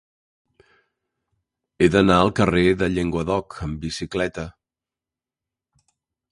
He d'anar al carrer del Llenguadoc amb bicicleta.